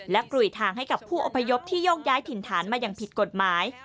และกลุยทางให้กับผู้อพยพที่โยกย้ายถิ่นฐานมาอย่างผิดกฎหมาย